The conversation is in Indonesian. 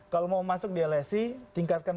kalau mau masuk di lsi tingkatkan